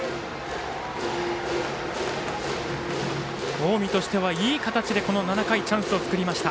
近江としてはいい形で７回、チャンスを作りました。